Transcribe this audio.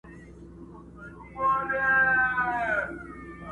هم لباس هم یې ګفتار د ملکې وو!.